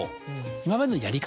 今までのやり方